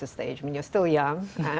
maksud saya anda masih muda